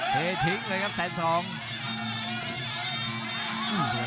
เททิ้งเลยครับแสนสอง